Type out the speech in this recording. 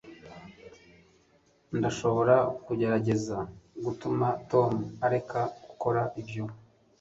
ndashobora kugerageza gutuma tom areka gukora ibyo